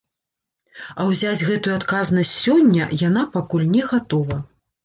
А ўзяць гэтую адказнасць сёння, яна пакуль не гатова.